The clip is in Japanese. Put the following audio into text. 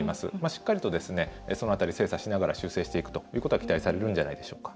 しっかりとその辺り精査しながら修正していくということが期待されるんでしょうか。